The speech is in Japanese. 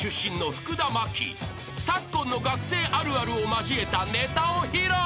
［昨今の学生あるあるを交えたネタを披露］